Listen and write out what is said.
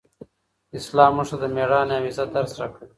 اسلام موږ ته د مېړاني او عزت درس راکوي.